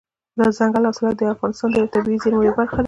دځنګل حاصلات د افغانستان د طبیعي زیرمو یوه برخه ده.